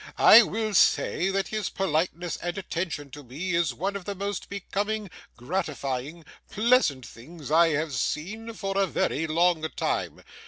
I will say that his politeness and attention to me is one of the most becoming, gratifying, pleasant things I have seen for a very long time.